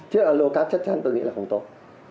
chế độ alocap chắc chắn tôi nghĩ là không tốt